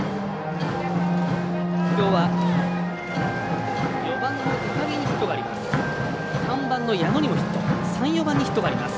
きょうは４番の高木にヒットがあります。